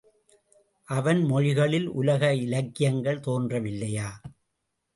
அவன் மொழிகளில் உலக இலக்கியங்கள் தோன்றவில்லையா?